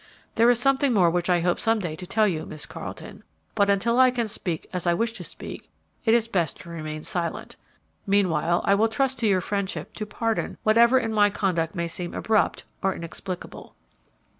There is something more which I hope some day to tell you, Miss Carleton, but, until I can speak as I wish to speak, it is best to remain silent; meanwhile, I will trust to your friendship to pardon whatever in my conduct may seem abrupt or inexplicable."